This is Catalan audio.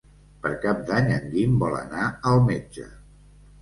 Per Cap d'Any en Guim vol anar al metge.